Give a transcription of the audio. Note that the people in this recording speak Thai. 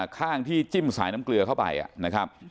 ข้างที่จิ้มสายน้ำเกลือเข้าไปนะครับ